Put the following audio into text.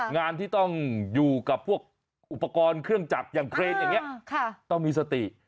งานที่ต้องอยู่กับพวกอุปกรณ์เครื่องจักรอย่างเครนอย่างนี้ต้องมีสติ